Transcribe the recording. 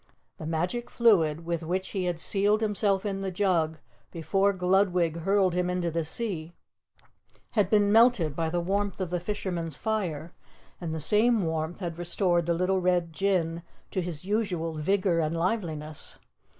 The magic fluid with which he had sealed himself in the jug before Gludwig hurled him into the sea had been melted by the warmth of the fisherman's fire, and the same warmth had restored the little Red Jinn to his usual vigor and liveliness.